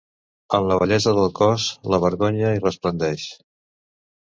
En la bellesa del cos, la vergonya hi resplendeix.